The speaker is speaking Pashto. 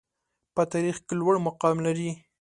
په تاریخ کې لوړ مقام لري.